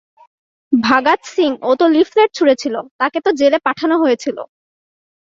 ভাগাত সিং ও তো লিফলেট ছুড়েছিল, তাকে তো জেলে পাঠানো হয়েছিল।